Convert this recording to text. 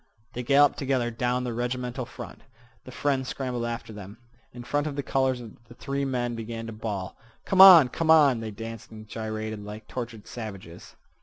They galloped together down the regimental front. The friend scrambled after them. In front of the colors the three men began to bawl: "Come on! come on!" They danced and gyrated like tortured savages.